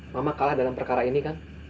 mama kalah dalam perkara ini kan